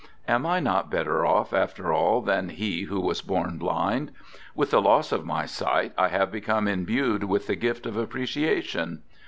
Am I not better off, after all, than he who was born blind? With the loss of my sight, I have be come imbued with the gift of appreciation.